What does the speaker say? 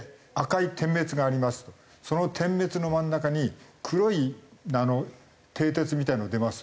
その点滅の真ん中に黒い蹄鉄みたいなの出ますと。